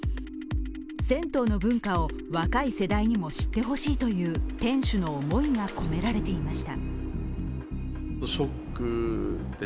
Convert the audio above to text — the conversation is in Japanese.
銭湯の文化を若い世代にも知ってほしいという店主の思いが込められていました。